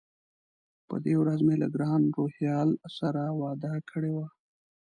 په دې ورځ مې له ګران روهیال سره وعده کړې وه.